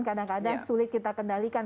kadang kadang sulit kita kendalikan